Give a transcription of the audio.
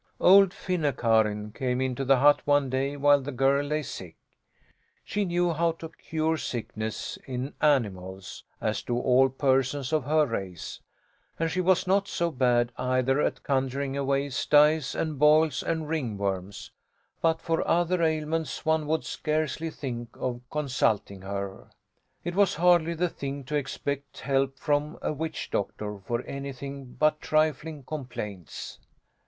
Old Finne Karin came into the hut one day while the girl lay sick. She knew how to cure sickness in animals, as do all persons of her race, and she was not so bad, either, at conjuring away styes and boils and ringworms; but for other ailments one would scarcely think of consulting her. It was hardly the thing to expect help from a witch doctor for anything but trifling complaints.